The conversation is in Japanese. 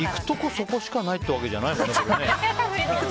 そこしかないってわけじゃないもんね。